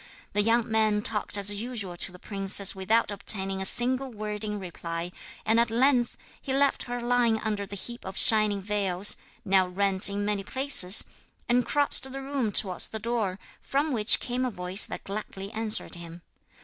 The young man talked as usual to the princess without obtaining a single word in reply, and at length he left her lying under the heap of shining veils now rent in many places and crossed the room towards the door, from which came a voice that gladly answered him.